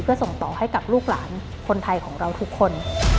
เพื่อส่งต่อให้กับลูกหลานคนไทยของเราทุกคน